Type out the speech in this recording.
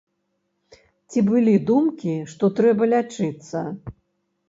Ці былі думкі, што трэба лячыцца?